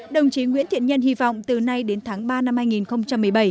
đồng chí nguyễn thiện nhân hy vọng từ nay đến tháng ba năm hai nghìn một mươi bảy